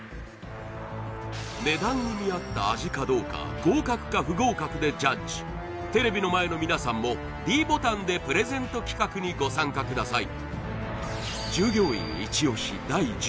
値段に見合った味かどうか合格か不合格でジャッジテレビの前の皆さんもｄボタンでプレゼント企画にご参加ください